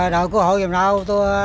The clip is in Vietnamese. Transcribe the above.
đội cứu hộ dùm nào tôi